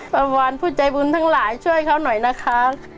ประมาณผู้ใจบุญทั้งหลายช่วยเขาหน่อยนะคะ